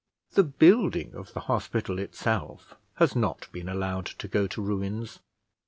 The building of the hospital itself has not been allowed to go to ruins.